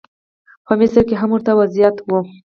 په مصر کې هم ورته وضعیت و.